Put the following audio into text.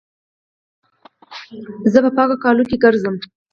زه په پاکو کالو کښي ګرځم.